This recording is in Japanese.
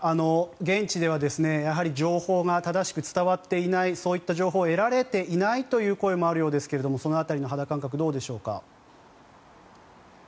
現地では情報が正しく伝わっていないそういう情報が得られていないという声もあるようですがその辺りの肌感覚どうでしょうか。